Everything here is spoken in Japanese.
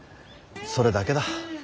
それだけだ。